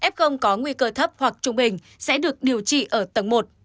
f có nguy cơ thấp hoặc trung bình sẽ được điều trị ở tầng một